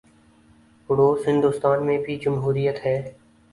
پڑوس ہندوستان میں بھی جمہوریت ہے۔